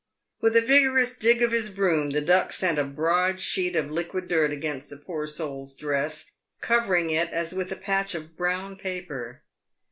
"With a vigorous dig of his broom the Duck sent a broad sheet of liquid dirt against the poor soul's dress, covering it as with a patch of brown paper.